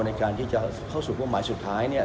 ในการที่จะเข้าสู่เป้าหมายสุดท้าย